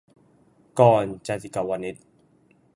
- กรณ์ จาติกวณิช